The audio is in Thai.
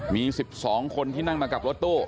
มี๑๒คนที่นั่งมากับรถตู้